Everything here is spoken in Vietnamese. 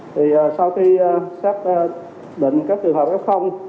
thì sau khi xác định các trường hợp f